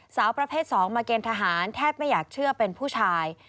สาวประเภท๒มาเกณฑหารแทบไม่อยากเชื่อเป็นผู้ชาย